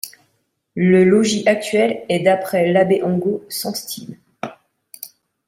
Le logis actuel est d'après l'abbé Angot sans style.